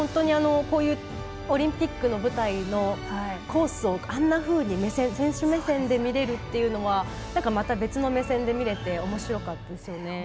こういうオリンピックの舞台のコースをあんなふうに選手目線で見られるっていうのはまた別の目線で見られておもしろかったですね。